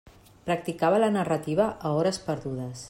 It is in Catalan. Practicava la narrativa a hores perdudes.